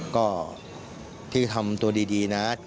ก็พี่ทำตัวดีนะ